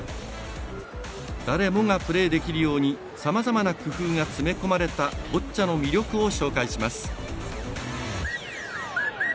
誰もがプレーできるようにさまざまな工夫が詰め込まれたボッチャの魅力を紹介します。